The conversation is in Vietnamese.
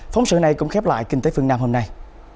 phóng sự này cũng khép lại kinh tế phương nam hôm nay